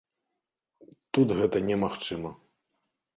Тут гэта не магчыма.